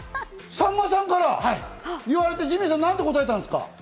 さんまさんから言われて、ジミーさん、なんて答えたんですか？